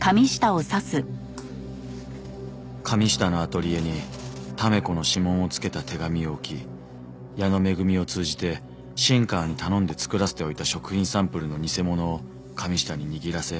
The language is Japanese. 神下のアトリエに試子の指紋を付けた手紙を置き矢野恵を通じて新川に頼んで作らせておいた食品サンプルの偽物を神下に握らせ。